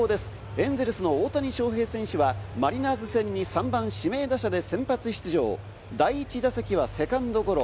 エンゼルスの大谷翔平選手はマリナーズ戦に３番・指名打者で先発出場、第１打席はセカンドゴロ。